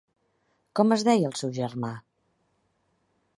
Com es deia el seu germà?